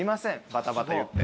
バタバタ言って。